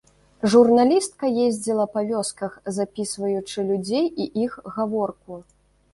Журналістка ездзіла па вёсках, запісваючы людзей і іх гаворку.